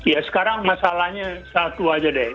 ya sekarang masalahnya satu aja deh kita lihat